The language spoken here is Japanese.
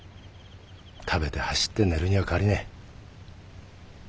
食べて走って寝るには変わりねえ。